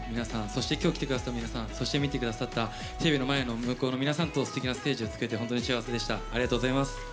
そして今日来てくださった皆さんそして見てくださったテレビの前の向こうの皆さんとすてきなステージを作れて本当に幸せでした。